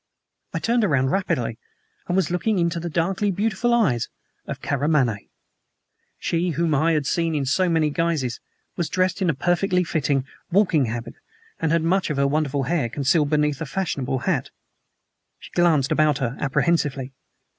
I turned around rapidly and was looking into the darkly beautiful eyes of Karamaneh! She whom I had seen in so many guises was dressed in a perfectly fitting walking habit, and had much of her wonderful hair concealed beneath a fashionable hat. She glanced about her apprehensively.